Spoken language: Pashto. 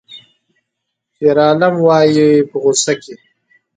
شیرعالم وایی په غوسه کې